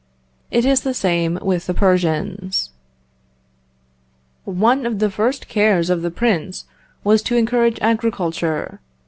It is the same with the Persians: "One of the first cares of the prince was to encourage agriculture....